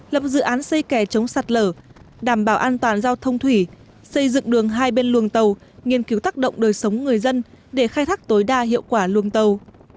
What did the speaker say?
lập dự án xây kè chống sạt lở đảm bảo an toàn giao thông thủy xây dựng đường hai bên luồng tàu nghiên cứu tác động đời sống người dân để khai thác tối đa hiệu quả luồng tàu